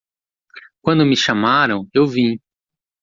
Quando me chamaram, eu vim